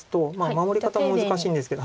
守り方も難しいんですけど。